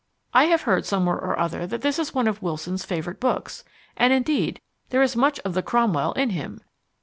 I have heard somewhere or other that this is one of Wilson's favourite books, and indeed, there is much of the Cromwell in him.